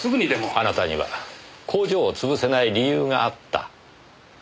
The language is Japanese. あなたには工場を潰せない理由があった。